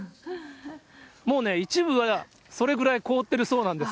もうね、一部はそれぐらい凍ってるそうなんです。